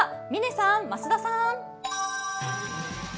嶺さん、増田さん。